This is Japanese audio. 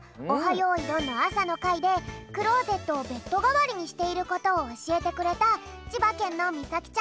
よいどん」のあさのかいでクローゼットをベッドがわりにしていることをおしえてくれたちばけんのみさきちゃんだぴょん。